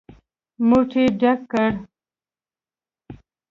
موټ يې ډک کړ.